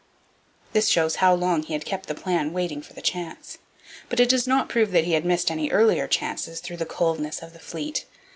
This shows how long he had kept the plan waiting for the chance. But it does not prove that he had missed any earlier chances through the 'coldness' of the fleet.